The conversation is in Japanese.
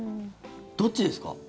どっちですか？